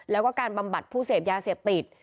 แล้วก็การบำบัดผู้เสพยาเสพติด